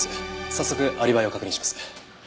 早速アリバイを確認します。